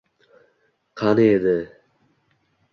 qani edi